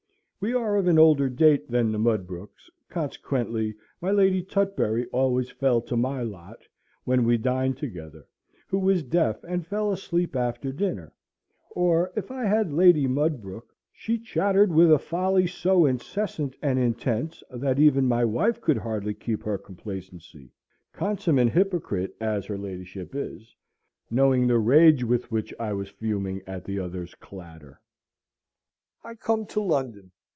We are of an older date than the Mudbrooks; consequently, my Lady Tutbury always fell to my lot, when we dined together, who was deaf and fell asleep after dinner; or if I had Lady Mudbrook, she chattered with a folly so incessant and intense, that even my wife could hardly keep her complacency (consummate hypocrite as her ladyship is), knowing the rage with which I was fuming at the other's clatter. I come to London.